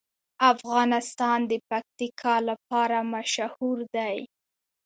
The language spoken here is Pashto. افغانستان د پکتیکا لپاره مشهور دی.